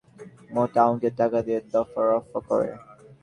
পরে প্রকৃত মালিকের কাছ থেকে মোটা অঙ্কের টাকা নিয়ে দফারফা করে।